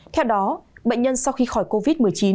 theo đó bệnh nhân sau khi khỏi covid một mươi chín